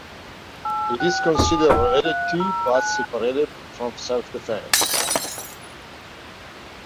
It is considered related to but separate from self-defence.